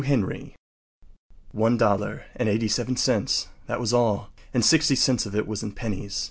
Henry One dollar and eighty seven cents. That was all. And sixty cents of it was in pennies.